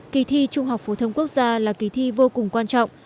kỳ thi trung học phổ thông quốc gia là kỳ thi vô cùng quan trọng